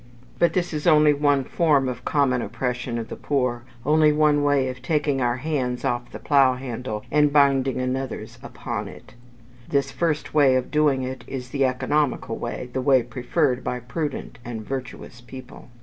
But this is only one form of common oppression of the poor only one way of taking our hands off the plough handle, and binding another's upon it. This first way of doing it is the economical way the way preferred by prudent and virtuous people.